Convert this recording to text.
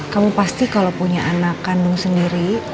kamu pasti kalau punya anak kandung sendiri